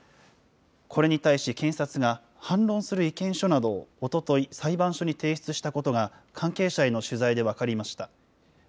これに対し、検察が反論する意見書などをおととい、裁判所に提出したことが関係者への取材で分かりました。